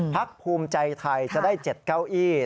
ภูมิใจไทยจะได้๗เก้าอี้